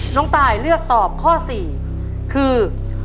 น้องตายเลือกตอบข้อ๔คือ